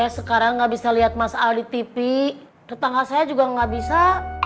saya sekarang gak bisa liat mas aldi tv tetangga saya juga gak bisa